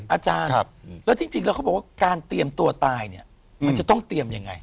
อาจารย์แล้วจริงแล้วเขาบอกว่าการเตรียมตัวตายเนี่ยมันจะต้องเตรียมยังไง